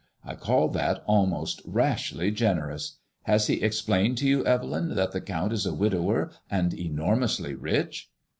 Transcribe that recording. I call that almost rashly generous. Has he explained to you, Evelyn, that the Count is a widower and enormously rich